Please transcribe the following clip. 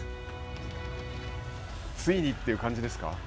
ついにという感じですか。